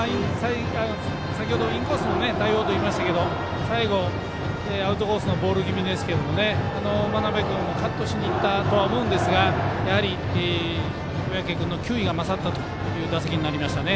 先ほどもインコースの対応といいましたけど最後、アウトコースのボール気味ですけど真鍋君をカットしにいったと思うんですがやはり小宅君の球威が勝ったという打席になりましたね。